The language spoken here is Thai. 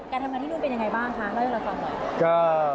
ทำงานที่นู่นเป็นยังไงบ้างคะเล่าให้เราฟังหน่อย